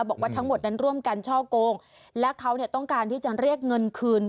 บอกว่าทั้งหมดนั้นร่วมกันช่อโกงและเขาต้องการที่จะเรียกเงินคืน